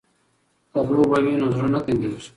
که لوبه وي نو زړه نه تنګیږي.